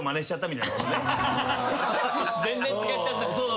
全然違っちゃった。